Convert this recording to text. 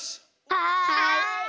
はい！